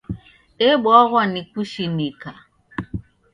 Debwaghwa ni kushinika!